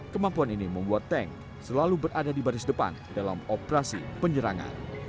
kemampuan ini membuat tank selalu berada di baris depan dalam operasi penyerangan